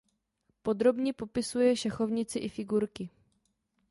Podrobně popisuje šachovnici i figurky.